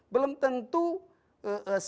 belum tentu sisi pandang yang berbeda